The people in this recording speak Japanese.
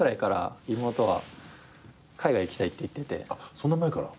そんな前から？